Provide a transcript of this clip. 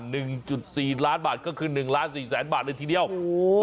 หนึ่งจุดสี่ล้านบาทก็คือหนึ่งล้านสี่แสนบาทเลยทีเดียวโอ้โห